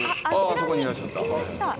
あそこにいらっしゃった。